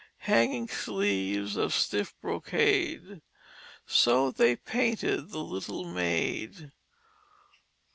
Hanging sleeves of stiff brocade, So they painted the little maid."